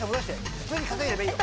普通に数えればいいよ。